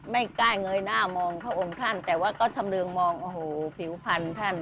ไม่กล้าเงยหน้ามองพระองค์ท่านแต่ว่าก็ชำเรืองมองโอ้โหผิวพันธุ์ท่าน